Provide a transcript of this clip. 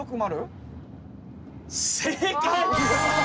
正解！